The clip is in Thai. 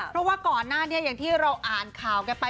เพราะว่าก่อนหน้านี้อย่างที่เราอ่านข่าวกันไป